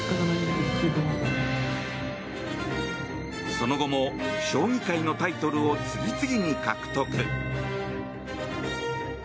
その後も将棋界のタイトルを次々に獲得。